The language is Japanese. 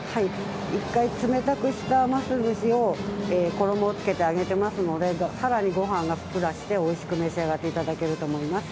一回、冷たくしたます寿しを衣をつけて揚げてますので更に御飯がふっくらしておいしく召し上がっていただけると思います。